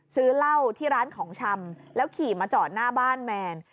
ซื้อเหล้าที่ร้านของชำแล้วขี่มาจอดหน้าบ้านแมน